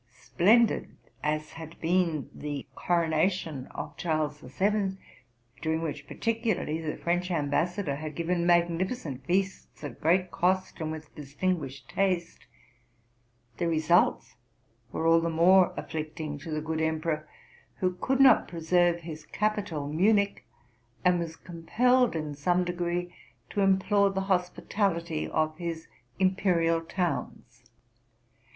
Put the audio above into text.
Splendid nus had been the coronation of Charles Seventh, during which particularly the French ambassador had given magnificent feasts at great cost and with distinguished taste, the results were all the more afflicting to the good emperor, who could not preserve his capital Munich, and was compelled in some degree to implore the hospitality of his imperial towns.